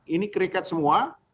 ini kriket semua